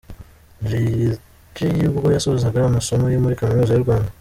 Jay G ubwo yasozaga amasomo ye muri Kaminuza y'u Rwanda.